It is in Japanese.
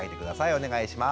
お願いします。